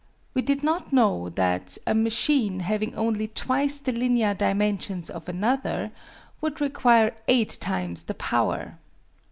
We did not know that a machine having only twice the linear dimensions of another would require eight times the power.